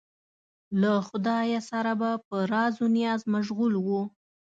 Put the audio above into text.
له خدایه سره به په راز و نیاز مشغول و.